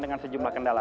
dengan sejumlah kendala